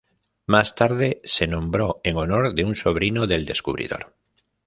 Más tarde, se nombró en honor de un sobrino del descubridor.